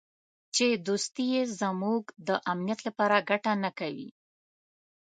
چې دوستي یې زموږ د امنیت لپاره ګټه نه کوي.